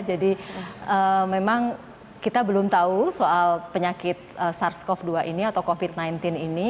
jadi memang kita belum tahu soal penyakit sars cov dua ini atau covid sembilan belas ini